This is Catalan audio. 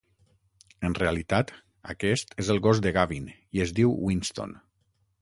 En realitat, aquest és el gos de Gavin i es diu Winston.